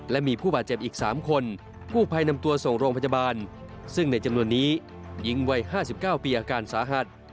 และมีผู้บาดเจ็บอีก๓คนกู้ภัยนำตัวส่งโรงพยาบาลซึ่งในจำนวนนี้หญิงวัย๕๙ปีอาการสาหัส